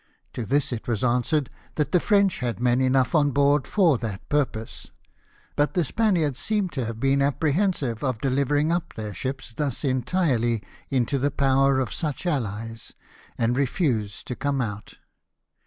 To this it was answered that the French had men enough on board for that purpose. But the Spaniards seem to have been apprehensive of delivering up their ships thus entirely into the power of such allies, and refused to come out.